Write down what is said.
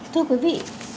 thưa quý vị